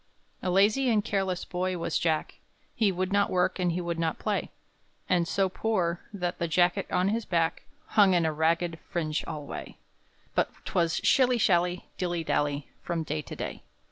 A lazy and careless boy was Jack, He would not work, and he would not play; And so poor, that the jacket on his back Hung in a ragged fringe alway; But 'twas shilly shally, dilly dally, From day to day.